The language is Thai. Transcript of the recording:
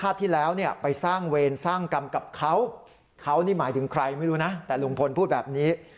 แต่ลุงพลพูดแบบนี้